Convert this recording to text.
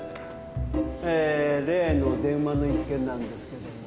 えー例の電話の一件なんですけども。